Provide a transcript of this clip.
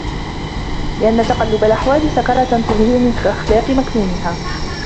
لِأَنَّ تَقَلُّبَ الْأَحْوَالِ سَكَرَةٌ تُظْهِرُ مِنْ الْأَخْلَاقِ مَكْنُونَهَا